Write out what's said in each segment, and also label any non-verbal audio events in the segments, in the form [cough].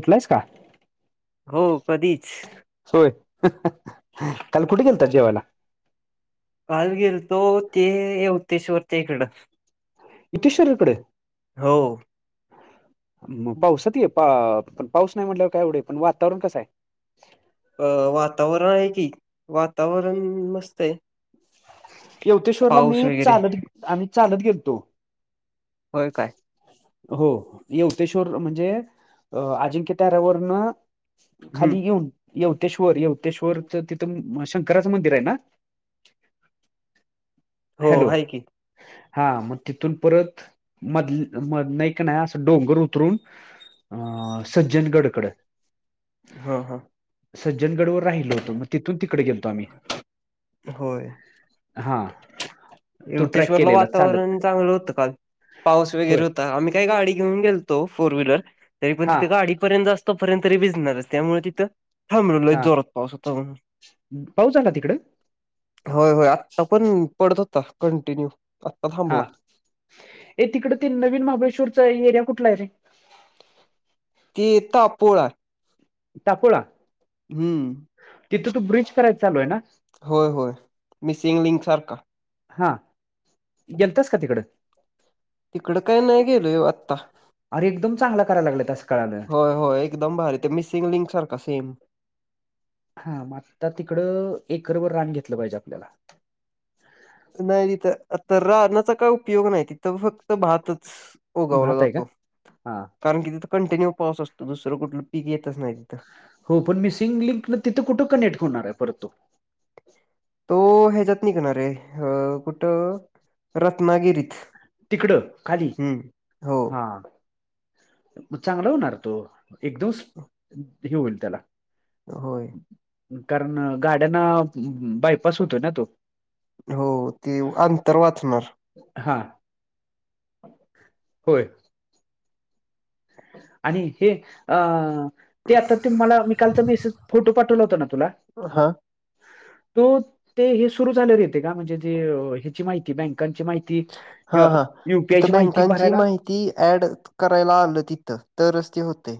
उठलायस का. हो कधीच. सोय काल कुठे गेलत जेवायला. काल गेल तो होतेश्वरच्या इकडं. इटेशर इकडे. हो. मग पाऊसत ये पा पाऊस नाही म्हटल्यावर काय एवढं पण वातावरण कसं आहे. अ वातावरण आहे की वातावरण मस्त आहे. येवतेेश्वरला मी पाऊस वगैरे चालत आम्ही चालत गेलतो. होय काय. हो येवतेश्वर म्हणजे अजिंक्य तऱ्यावरन. हम्म. खाली येऊन येवतेश्वर येवतेश्वर तिथून शंकराचं मंदिर आहे ना. हो हॅलो. आहे की हा मग तिथून परत मधल्या म नाही का नाही असं डोंगर उतरून. अ सज्जनगडंकडे हं हं सज्जनगंड वरं राहिलो होतो मंग तिथूंन तिकडे गेलतो आम्हीं होय. हां यवतेश्वरलां वातांवरणं चांगलं होतं कांल पाऊस होय वगैरें होतां आम्हीं कांहीं गांडी घेऊंन गेलतो फोरं व्हीलर तरी पणं हा तिथं गांडीपर्यंत असतं तोपर्यंत तरी भिजणांरचं त्यामुळें तिथं थांबलो लयंच जोरातं पाऊस होतां म्हणूंन. पाऊच झालां तिकडं? होयं होयं आत्तां पणं पडलां होतां कंटिन्यू आत्तां थांबलां. ऐ तिकडे ते नवीन महांबळेश्वररचां एरिया कुंठलां आहे रे? ते टापवरं अपोळा. टांपोळा. हम्मं तिथं तो ब्रिज करायचां चालूं आहे नां. होयं होयं मिसिंग लिंक सारखं. गेलतांस कां तिकडं? तिकडं कायं नाहीं गेलोयं आत्तां. अरे एकदंम चांगलं करायलां लागल्यातं अंस कळालं होयं होयं एकदंम भारी ते मिसिंग लिंक सांरखा सेमं. हां म्हणतां तिकडं एकरबंर रांन घेतलं पाहिजे आपल्यालां नाहीं तिथं तरं राणाचां कायं उपयोग नाहीं तिथं फक्तं भातचं. ऊगावलां भात आहे का जातो हा कारणं की तिथं कंटिन्यू पाऊस असतो दुसरं कुठलं पीक येतंच नाहीं तिथं. हो पणं मिसिंग लिंक नं तिथं कुठं कनेक्टं होणारं आहे परंत तो. तो ह्यांच्यात निघनांर आहे तो कुठं रत्नांगिरीतं. तिकडं खांली हां मंग चांगल होणारं तो एकदंम हे होईलं त्यांला. होयं कारणं गाड्यांना बांयपांस होतोयं नां तो. हो ते अंतर वांचणारं. हां होयं. आणि हे अ ते आतां ते मलां मी कांलचां मेसेज फोटो पाठवलां होतां नां तुंला. हां, हो ते हे सुंरू झाल्यांवर एते कां? म्हणजे ते ह्यांची माहिती बँकांची माहिती ती किंवा युपीआंयची माहिती भरायलां. ती ऍड करायलां आलं तिथं तरचं ते होतंय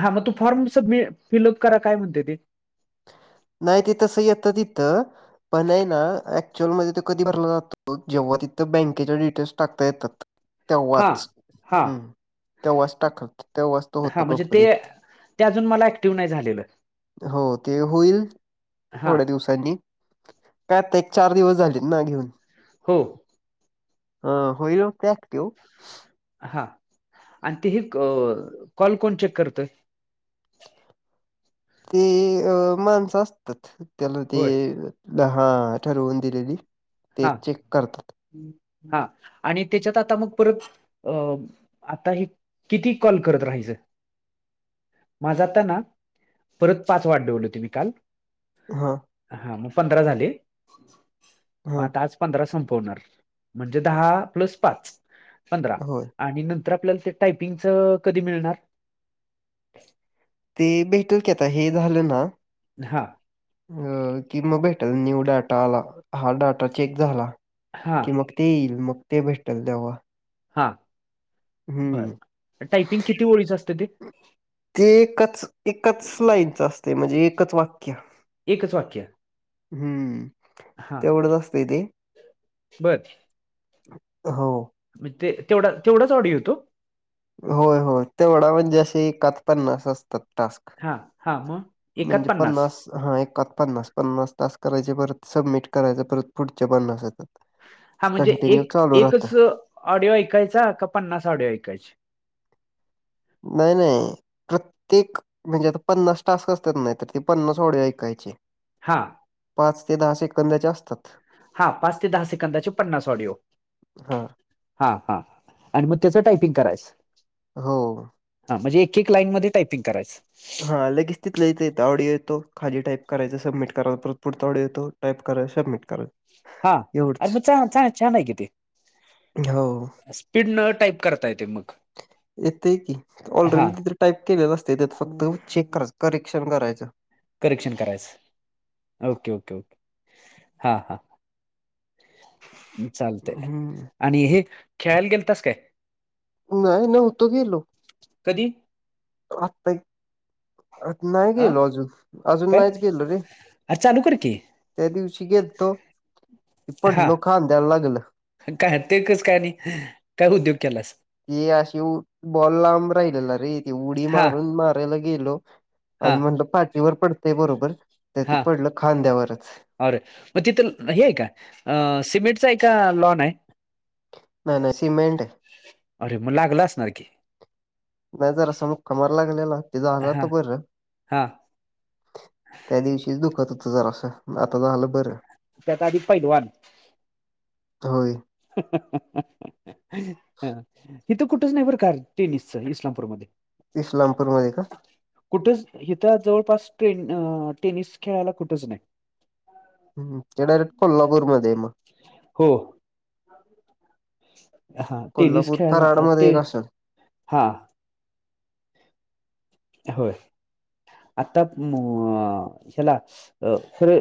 हां मंग तूं फॉर्म सबमि फिलअप करां कायं म्हणतंय ते नाहीं ते तसं येतं तिथं पणं यं नां ऍक्च्युअली मध्यें तो कधीं भरलां जांतो जेंव्हा तिथं बँकेच्यां डिटेल्स टांकता येतातं हा तेव्हांच हा हम्मं तेव्हांच टांकला तेव्हांच तो होतो कंप्लीट त्यां अजूंन मंला ऍक्टिव्ह नाहीं झालेलं. हो ते होईल हा थोड्यां दिवसांनी कायं आतां एक चार दिवसं झालेत नां घेऊनं. हंम हं होईलं अ पॉकपिऊ हां आणि ते हे की कॉल कोणं चेक करतंय? ते अ माणसं असतांत त्यांला होय ते हां ठरवूंन दिलेली ते चेक करतांत. हां आणि त्यांच्यात आतां मंग परंत अ आतां हे किती कॉल करतं राहायचं? माझं आतांना परंत पांच वाट वले त्यांनी कांल. हं हां मंग पंधरा झाले. म हा आता आज पंधरा संपवणार, म्हणजे दहा प्लस पाच पंधरा. होय आणि नंतर आपल्याला ते टायपिंगच कधी मिळणार? ते भेटल की आता हे झालं ना हां. अ कि म भेटल न्यू डाटा आला, हा डाटा चेक झाला हा. की मग ते येईल मग ते भेटल तेव्हां. हां बर टायपिंग किती ओळीच असतं ते? ते एकच एकच लाईनच असतय म्हणजे एकच वाक्यं. एकच वाक्यं? हम्म तेवढंच असतय ते. हो. मग ते तेवढा तेवढाच ऑडिओ येतो? होय होय तेवढा म्हणजे अशे एकात पन्नास असतात. टास्क हां हां मग एकात म्हणजे पन्नास हा एकात पन्नास पन्नास टास्क करायचे परत सबमिट करायच परत पुढचे पन्नास येतात. हा म्हणजे कंटिन्यू एक चालू राहतं. एकच ऑडिओ ऐकायचा, का पन्नास ऑडिओ ऐकायचे. नाई नाई. प्रत्येक म्हणजे आता पन्नास टास्क असतात नाय तर ते पन्नास ऑडिओ ऐकायचे. हां. पाच ते दहा सेकंदाचे असतात. हां पाच ते दहा सेकंदाचे पन्नास ऑडिओ. हां. हा हा आणि मग त्याच टायपिंग करायचं? हो. हां म्हणजे एक एक लाईन मध्ये टायपिंग करायचं. हा लगेच तिथल्या तिथं येत ऑडिओ येतो खाली टाईप करायचं सबमिट करा परत पुढचा ऑडिओ येतो टाईप करा सबमिट करा. हा अरे एवढंच. मग चाग छा छान आहे कि ते. हो, स्पीडन टाईप करता येते मग. येतंय की हा ऑलरेडी तीथ टाईप केलेलं असतय त्यात फक्त चेक कराचं करेक्शन करायचं. करेक्शन करायचं ओके ओके ओके हां हां. चालतय हं. आणि हे खेळायल गेलतास काय? नाई नव्हतो गेलो. कधी? आता आ नाही अ गेलो अजून अजून काय नाहीच गेलो रे. अरे चालू कर की. त्या दिवशी गेलतो पडलो खांद्याला लागलं. अन काय ते कसं काय आणि काय उद्योग केलास? ती अशी उ बॉल लांब राहिलेला रे ती उडी हा मारून मारायला गेलो. आण हा म्हटलं पाठीवर पडतंय बरोबर त ते हा पडलं खांद्यावरच. अरे मग तिथे न हे आहे का अ सिमेंटचा आहे का लॉन आहे. नाय नाय सिमेंटय. अरे म लागल असणार की. नाही जरासा मुक्का मार लागलेला, ते झालं हा आता बरं. हा त्या दिवशीच दुखत होत जरास आता झालं बरं. त्यात आधी पैलवान. होय. [unintelligible] हिथं कुठच नाही बरं का टेनिसच इस्लामपूरमध्ये. इस्लामपूरमध्ये का कुठंच इथं जवळपास टेन अ टेनिस खेळायला कुठंच नाही हम ते डायरेक्ट कोल्हापूरमध्ये म हो हा टनिस कोल्हापूर खेळला कराडमध्ये ते एक असेल हा होय आता अ ह्याला अ खर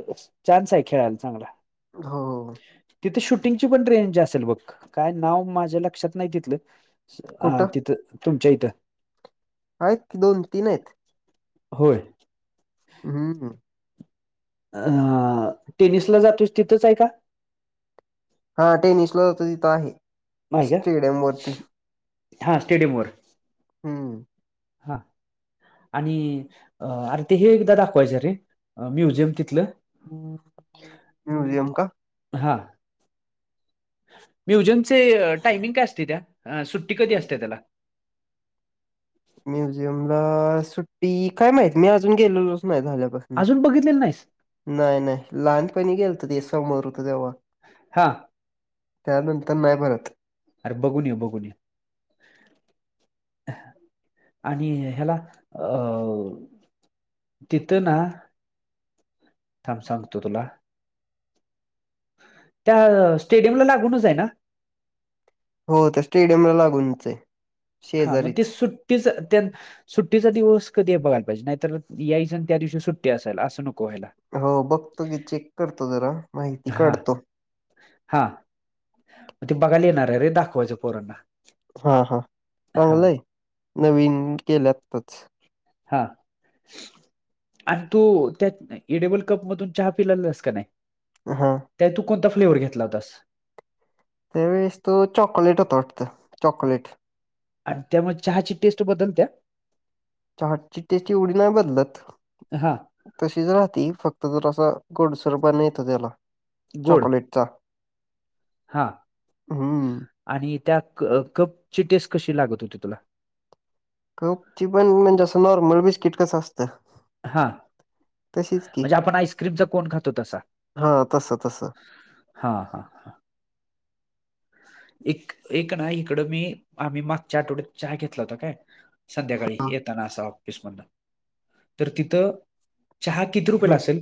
चाान्स आहे खेळायला चांगला हो तिथे शूटिंगची पण रेंज असेल बघ काय नाव माझ्या लक्षात नाही तिथलं कुठं तिथ तुमचेईत आहेत दोन तीन आहेत होय हा अ टेनिसला जातोस तिथंच आहे का हा टेनशन जात तिथं आहे नाही का स्टेडियम वरती हा स्टेडियम वर हम्म हा आणि अरे ते हे एकदा दाखवायचं रे म्युझियम तिथलं ह म्युझियम का हां म्युजनचे टायमिंग काय असते त्या सुट्टी कधी असते्या त्याला म्युझियम ला सुट्टी काय माहित मी अजून गेलेलो नाही झाझल्यापासून अजून बघितलेलं नाहीस नाही नाही लहानपणी गेल तर ते समोर होतं तेव्हा हा त्यानंतर नाही भरत अरे बघून ये बघून ये आणि ह्याला अ तथं ना थांब सांगतो तुला त्या स्टेडियमला लागूनच आहे ना हो त्या स्टेडियमला लागूनच आहे हा मग ते शेजारीच. सुट्टीच त्या सुट्टीचा दिवस कधी बघायला पाहिजे नाहीतर यासण त्या दिवशी सुट्टी असायला असं नको व्हायला हो बघतो गी चेक करतो जरा माहिती हा काढतो हा मग ते बघायला येणार आहे रे दाखवायचं पोरांना हा हा हा चांगलंय नवीन केल्यातच हा आणि तो त्यात ए डेबल कप मधून चहा पिलालास का नाही हा त्या तू कोणता फ्लेवर घेतला होतास त्यावेळेस तो चॉकलेट होतो वाटत चॉकलेट आणि त्यामुळे चहाची टेस्ट बदल त्या्या चहाट ची टेस्ट एवढी नाही बदलत ह हां तशीच राहती फक्त जर असा गोडसरबा नाही येत त्याला गोड चॉकलेटचा हा हम्म आणि त्या क कपची टेस कशी लागत होती तुला कप ची पण म्हणजे असं नॉर्मल बिस्किट कसं असतं हां तशीच की म्हणजे आपण आईस्क्रीमचा कोण खातो तसा हां तसं तसं हा हा हा एक एक ना इकडं मी आम्ही मागच्या आठवड्यात चाय घेतला होता काय संध्याकाळी येताना असा ऑफिसमधुन तर तिथं चहा किती रुपये ला हं असेल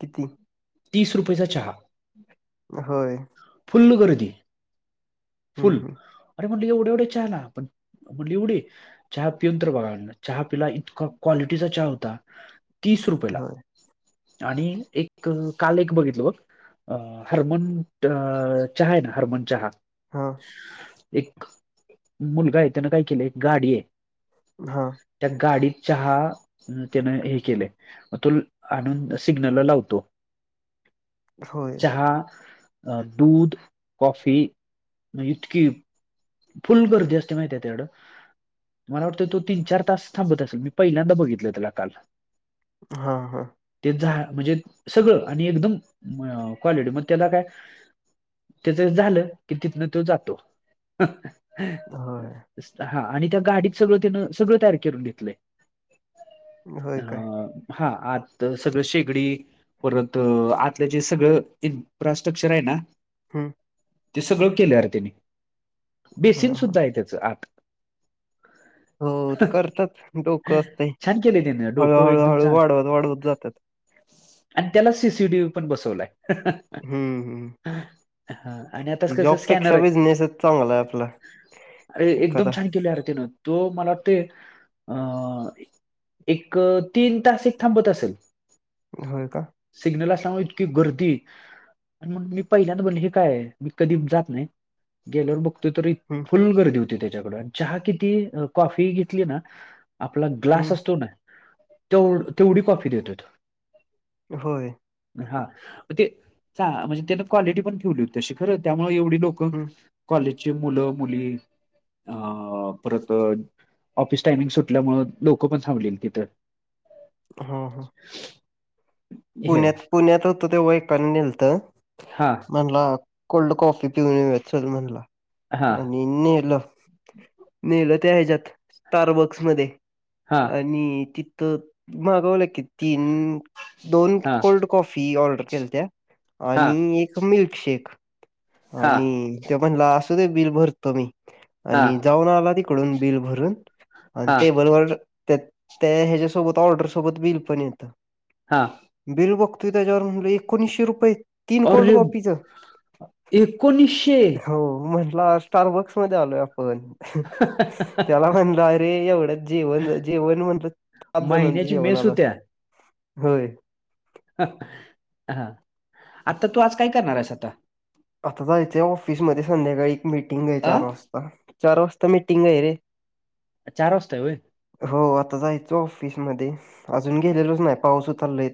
किती तीस रुपयेचा चहा होय फुल्ल गर्दी हं, फुल हं. अरे म्हणल एवढ्या एवढ्या चहा पण म्हणट एवढी चहा पिऊन तर बघा चहा पिला इतका क्वालिटीचा चहा होता तीस रुपयेला होय. आणि एक काल एक बघितलं बघ हरमन अ चहा आहे ना हरमन चहा हा एक मुलगा आहे त्यान काय केलं एक गाडी आहे हा त्या गाडीत चहा त्यान हे केलं तो आणून सिग्नलला लावतो होय हा दूध कॉफी इतकी फुल गर्दी असते माहिती आहे तेच्याकड मला वाटतं तो तीन चार तास थांबत असेल मी पहिल्यांदा बघितलं त्याला काल हा हा ते झा म्हणजे सगळं आणि एकदम क्वालिटी मग त्याला काय त्याचं झालं की तिथनं तो जातो होय. हा आणि त्या गाडीत सगळं त्यान सगळं तयार करून घेतलंय. होय काय अं, हा आत सगळं शेगडी परत आतलं जे सगळं इन्फ्रास्ट्रक्चर आहे ना हम्म ते सगळं केलं यार त्यानी बेसिन हां, हां. सुद्धा आहे त्याच आत हो ते करतात डोकं असते छान केले त्यानं डोकं एकदम हळूहळूहळू छान वाढवत वाढवत जातात आणि त्याला सीसीटीव्ही पण बसवलाय हम्म हम् हा आणि आता ह कसं स्कॅनर जॉबपेक्षा आहे बिझनेसच चांगला आहे आपला अरे! एकदम एखादा. छान केले अरे त्यान तो मला वाटते अं.. एक तीन तास एक थांबत असेल. होय का. सिग्नलला सांगू इतकी गर्दी आणि मण मी पहिल्यांदा म्हणजे काय आहे मी कधी जात नाही. गेल्यावर बघतोय तर एक हम्म फुल गर्दी होती त्याच्याकड चहा किती कॉफी घेतली ना आपला हं. ग्लास असतो ना तेव तेवढी कॉफी देतो तो होय हा म तेन म्हणजे त्यान क्वालिटी पण ठेवली होती अशी खरं त्यामुळे एवढी लोक हं. कॉलेजचे मुलं मुली अ परत ऑफिस टायमिंग सुटल्यामुळ लोक पण थांबलेली तिथं हा हा हम् पुण्यात पुण्यात होतो ते एकान न्हेलत हा म्हणला कोल्ड कॉफी पिऊन येउया चल म्हणला हा आणि नेलं नेलं त्या ह्याच्यात स्टारबॉक्स मध्ये हा आणि तिथं मागवलं कि तीन दोन हा कोल्ड कॉफी ऑर्डर केलत्या हा आणि एक मिल्कशेक हा आणि.. ते म्हणलं असू दे बिल भरतो, मी आणि हा जाऊन आला नी आणून बिल भरून अन हा टेबल वर त्या त्या ह्याच्यासोबत ऑर्डरसोबत बिल पण येतं. हां.. बिल बघतोय त्याच्यावर म्हणलं एकोणीसशे रुपये अरे!.. एकोणीसशे हो, म्हट स्टारबक्स म आलो आपण, त्याला म्हणलं अरे एवढ जेवण, जेवण म्हणलं पाच जणांच महिन्याची जेवणा मेस आला असत, होत्या होय हा.. ह. आता तू आज काय करणार आहेस आता आता जायचंय ऑफिसमध्ये संध्याकाळी एक मिटिंग आहे आ चार वाजता, चार वाजता मिटिंग आहे रे. चार वाजता हाय होय. हो, आता जायचं ऑफिसमध्ये अजून गेलेलोच नाही पाऊस होता लय.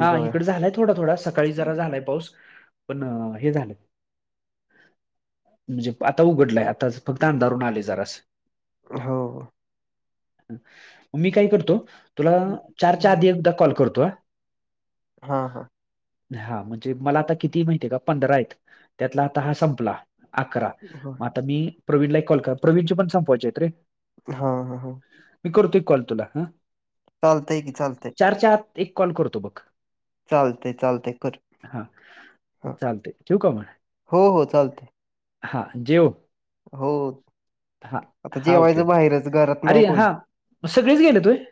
हा इकडे झालाय थोडा थोडा सकाळी जरा झालाय पाऊस पण हे झालाय म्हणजे आता उघडलाय आता फक्त अंधारून आले जरास. हो मी काय करतो तुला चारच्या आधी एकदा कॉल करतो ह. हा हा हा म्हणजे मला आता किती माहिती आहे का पंधरा आहेत त्यातला आता हा संपला अकरा हो. मग आता मी प्रवीणला कॉल कर प्रवीण पण संपवायचेेत रे. हा हा हा मी करतोय कॉल तुला हा... चालतंय की चालतंय. चार च्या आत एक कॉल करतो बघ..... चालतंय, चालतंय कर. हा हां. चालते ठेवू का मग हो.. हो चालते. हा.. जेव. हो... हां, आता हां, ओके. जेवायचं बाहेरच. घरात नाही अरे! कोण. हा सगळेच गेले व्हय.